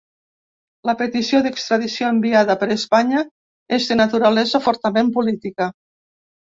La petició d’extradició enviada per Espanya és de naturalesa fortament política.